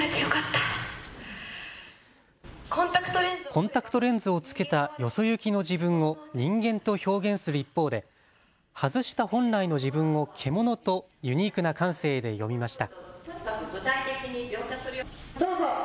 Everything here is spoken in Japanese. コンタクトレンズをつけたよそ行きの自分をニンゲンと表現する一方で外した本来の自分を獣とユニークな感性で詠みました。